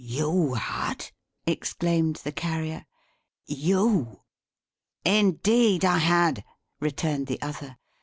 "You had!" exclaimed the Carrier. "You!" "Indeed I had," returned the other.